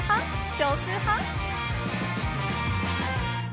少数派？